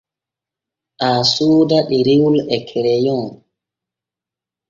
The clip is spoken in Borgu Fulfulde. Aa sooda ɗerewol e kereyon.